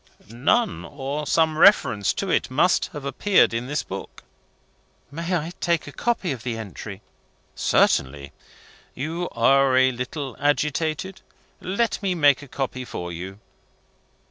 "None or some reference to it must have appeared in this book." "May I take a copy of the entry?" "Certainly! You are a little agitated. Let me make a copy for you."